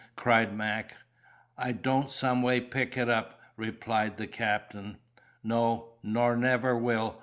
cried Mac. "I don't someway pick it up," replied the captain. "No, nor never will!"